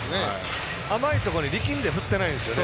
甘いところに力んで振ってないですよね。